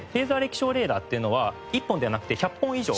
気象レーダーっていうのは１本ではなくて１００本以上。